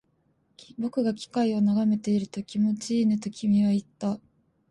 僕が機械を眺めていると、気持ちいいねと君は言った